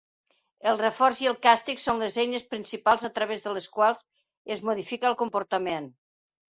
El reforç i el càstig són les eines principals a través de les quals es modifica el comportament.